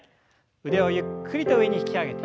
腕をゆっくりと上に引き上げて。